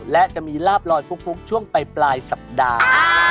และจะมีลาบลอยฟุกช่วงไปปลายสัปดาห์